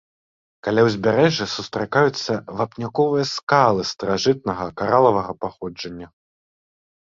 Каля ўзбярэжжа сустракаюцца вапняковыя скалы старажытнага каралавага паходжання.